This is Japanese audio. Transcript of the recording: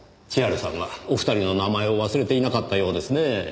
千原さんはお二人の名前を忘れていなかったようですねぇ。